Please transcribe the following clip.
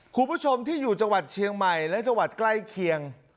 คุณผู้ชมที่อยู่จังหวัดเชียงใหม่และจังหวัดใกล้เคียง